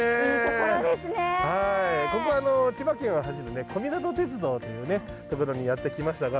ここは、あの千葉県を走る小湊鉄道というね、ところにやってきましたが。